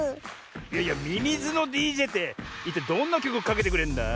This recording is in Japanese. いやいやミミズのＤＪっていったいどんなきょくをかけてくれるんだ？